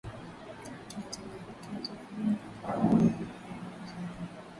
Tunategemeana kwa kila hali iwe kheri au shari